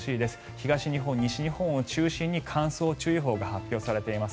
東日本、西日本を中心に乾燥注意報が発表されています。